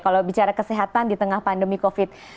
kalau bicara kesehatan di tengah pandemi covid sembilan belas